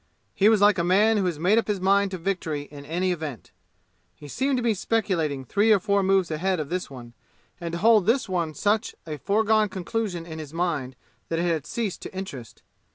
He was like a man who has made up his mind to victory in any event. He seemed to be speculating three or four moves ahead of this one, and to hold this one such a foregone conclusion in his mind that it had ceased to interest.